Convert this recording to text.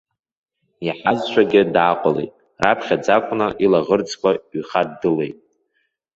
Иаҳазшәагьы дааҟалеит, раԥхьаӡакәны илаӷырӡқәа ҩхаддылеит.